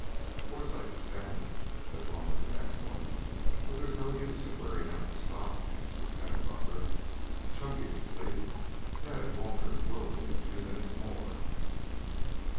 Of course I can stand it as long as the next one, but there's no use in wearing out the stock," answered Tad Butler. "Chunky's asleep. Ned and Walter will be in a few minutes more."